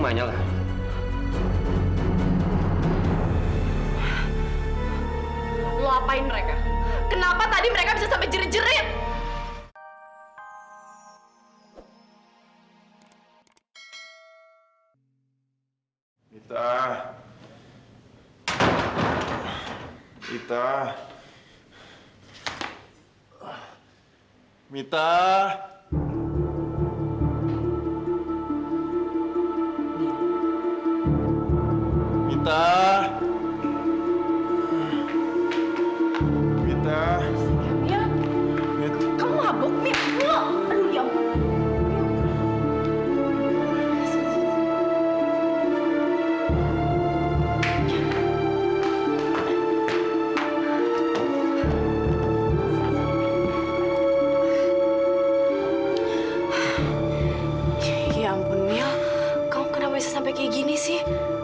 kamu kenapa bisa sampai kayak gini sih